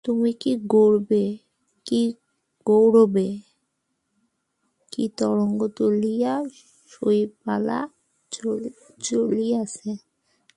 কিন্তু কী গর্বে, কী গৌরবে, কী তরঙ্গ তুলিয়া শৈলবালা চলিয়াছে।